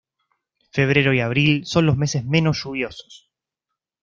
Febrero y abril son los meses menos lluviosos.